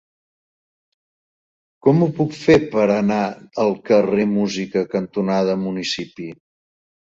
Com ho puc fer per anar al carrer Música cantonada Municipi?